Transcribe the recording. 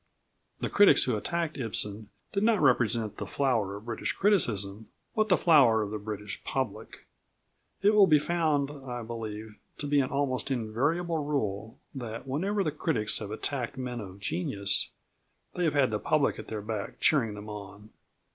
The critics who attacked Ibsen did not represent the flower of British criticism, but the flower of the British public. It will be found, I believe, to be an almost invariable rule that whenever the critics have attacked men of genius, they have had the public at their back cheering them on.